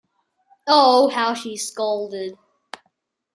Oh, how she scolded.